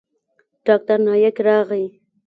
ډاکتر نايک راغى.